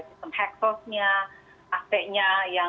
sistem hexosnya aksenya